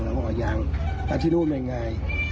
เราก็บอกยังแล้วที่นู่นเป็นยังไง